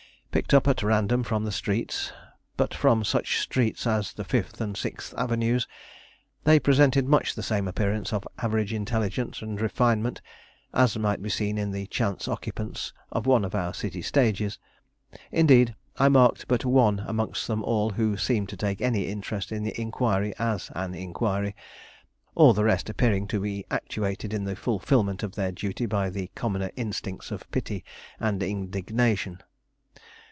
Picked up at random from the streets, but from such streets as the Fifth and Sixth Avenues, they presented much the same appearance of average intelligence and refinement as might be seen in the chance occupants of one of our city stages. Indeed, I marked but one amongst them all who seemed to take any interest in the inquiry as an inquiry; all the rest appearing to be actuated in the fulfilment of their duty by the commoner instincts of pity and indignation.